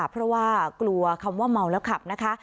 เพราะว่ากลัวคำว่าเมาแล้วขับนะคะ